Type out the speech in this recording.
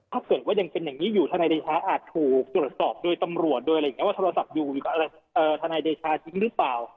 โทรศัพท์เนี่ยอันดันเดชาทนายเดชาได้รับผลเมืองทมภพหน้า